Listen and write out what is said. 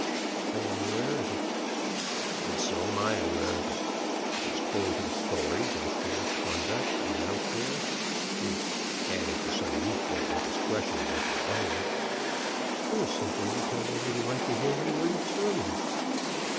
"I am aware of it." "And so am I aware of it. He has told him stories as to your conduct with Mountjoy which, added to some youthful indiscretions of your own " "It was simply because I didn't like to hear him read sermons."